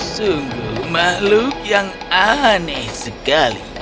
sungguh makhluk yang aneh sekali